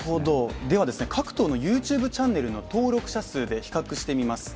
各党のＹｏｕＴｕｂｅチャンネルの登録者数で比較してみます。